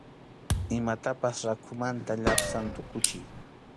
Imatapas rakhumanta llapsaman tukuchiy.